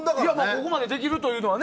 ここまでできるというのはね。